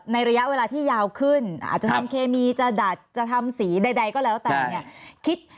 ระยะเวลาที่ยาวขึ้นอาจจะทำเคมีจะดัดจะทำสีใดก็แล้วแต่เนี่ย